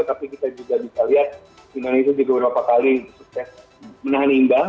tapi kita juga bisa lihat indonesia juga beberapa kali sukses menahan imbang